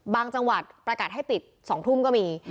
จังหวัดประกาศให้ปิด๒ทุ่มก็มี